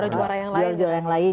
juara juara yang lain